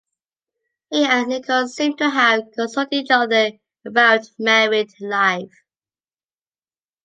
He and Lincoln seem to have consulted each other about married life.